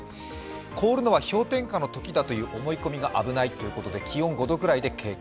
凍るのは氷点下のときだという思い込みが危ないということで気温５度くらいで警戒。